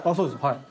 はい。